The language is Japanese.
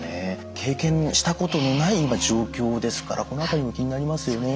経験したことのない今状況ですからこの辺りも気になりますよね。